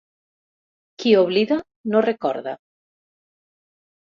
Qui oblida, no recorda.